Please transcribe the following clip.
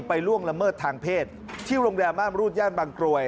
ล่วงละเมิดทางเพศที่โรงแรมม่ามรูดย่านบางกรวย